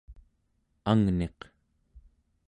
angniq